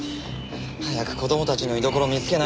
早く子供たちの居所を見つけないと。